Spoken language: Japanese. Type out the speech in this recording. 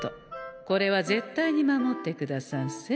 これは絶対に守ってくださんせ。